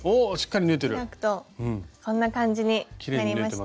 開くとこんな感じになりました。